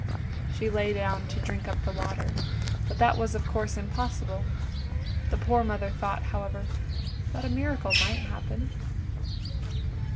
She lay down to drink up the water, but that was of course 272 ANDERSEN'S FAIRY TALES impossible; the poor mother thought, however, that a miracle might happen.